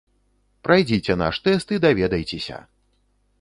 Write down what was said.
Прайдзіце наш тэст і даведайцеся!